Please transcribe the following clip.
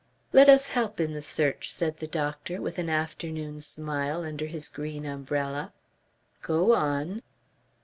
"Let us help in the search," said the doctor, with an afternoon smile under his green umbrella. "Go on."